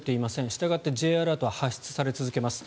したがってＪアラートは発出され続けます。